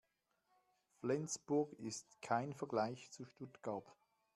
Flensburg ist kein Vergleich zu Stuttgart